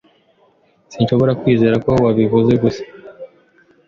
Sinshobora kwizera ko wabivuze gusa.